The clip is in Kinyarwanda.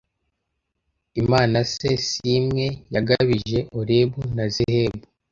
imana se si mwe yagabije orebu na zehebu